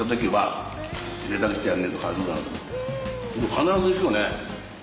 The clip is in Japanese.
必ず行くよね？